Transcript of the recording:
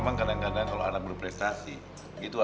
makasih ya adriana